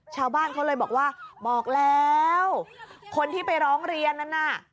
ชาวบ้านเขาเลยบอกว่าบอกแล้วคนที่ไปร้องเรียนนั้นน่ะ